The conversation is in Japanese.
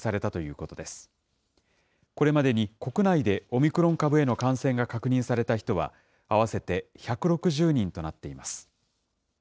これまでに国内でオミクロン株への感染が確認された人は、合わせて１６０人となっています。